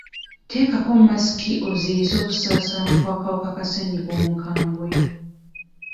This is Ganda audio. Teekako masiki oziiyize okusaasaana kw'akawuka ka ssennyiga omukambwe.